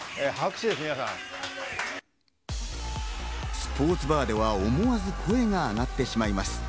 スポーツバーでは思わず声があがってしまいます。